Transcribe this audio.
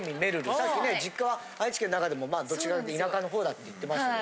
さっきね実家は愛知県の中でもまあどちらか田舎の方だって言ってましたけど。